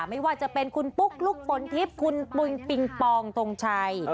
ไม่ว่าจะเป็นคุณปุ๊กลุ๊กปนทิพย์คุณปุ๋ยปิงปองทงชัย